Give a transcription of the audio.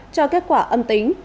cho kết quả âm tính